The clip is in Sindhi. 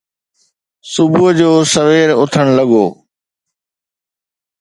صبح جو سوير اٿڻ لڳو